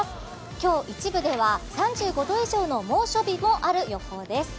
今日一部では３５度以上の猛暑日もある予報です。